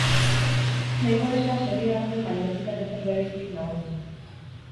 Nahiko neska serioa zen baina ez zuten ezer berezirik nabaritu.